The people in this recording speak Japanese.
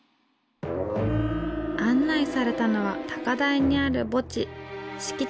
案内されたのは高台にある墓地。